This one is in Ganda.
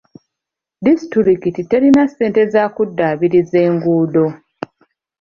Disitulikiti terina ssente za kuddaabiriza enguudo.